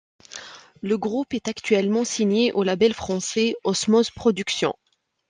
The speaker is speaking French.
Le groupe est actuellement signé au label français Osmose Productions.